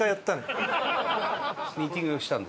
ミーティングしたんだ。